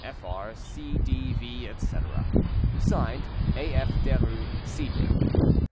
Fr. C. D. V., etc. etc. "(Signed) A. F. DERUES, Senior."